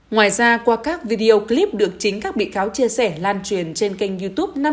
ngoài ra qua các video clip được chính các bị cáo chia sẻ lan truyền trên kênh youtube